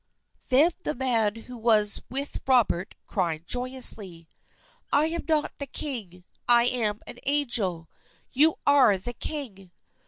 Then the man who was with Robert cried joyously. "I am not the king! I am an angel! You are the king!"